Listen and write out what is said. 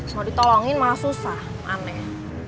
mau ditolongin malah susah aneh